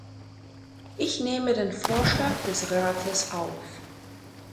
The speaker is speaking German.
Ich nehme den Vorschlag des Rates auf.